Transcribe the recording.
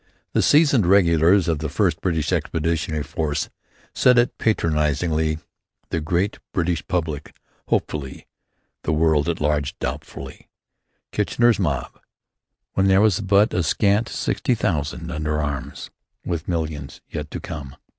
The seasoned regulars of the first British expeditionary force said it patronizingly, the great British public hopefully, the world at large doubtfully. "Kitchener's Mob," when there was but a scant sixty thousand under arms with millions yet to come.